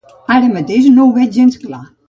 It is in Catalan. Ara mateix no ho veig gens clar.